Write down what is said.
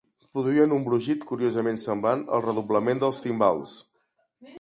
Produïen un brogit curiosament semblant al redoblament dels timbals